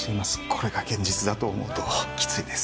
これが現実だと思うときついです。